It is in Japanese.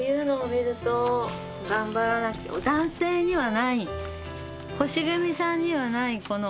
男性にはない。